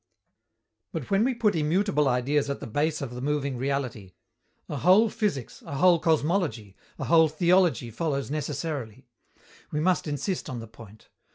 But, when we put immutable Ideas at the base of the moving reality, a whole physics, a whole cosmology, a whole theology follows necessarily. We must insist on the point.